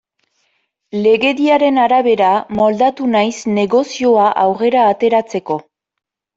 Legediaren arabera moldatu naiz negozioa aurrera ateratzeko.